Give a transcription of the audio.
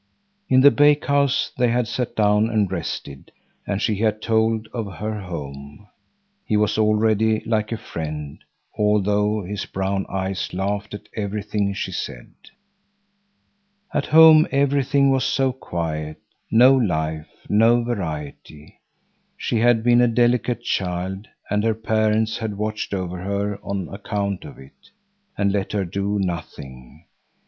In the bakehouse they had sat down and rested, and she had told of her home. He was already like a friend, although his brown eyes laughed at everything she said. At home everything was so quiet; no life, no variety. She had been a delicate child, and her parents had watched over her on account of it, and let her do nothing.